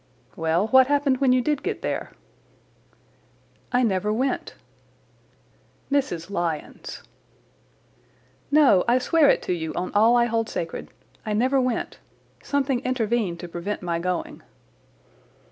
"Well, what happened when you did get there?" "I never went." "Mrs. Lyons!" "No, I swear it to you on all I hold sacred. I never went. Something intervened to prevent my going."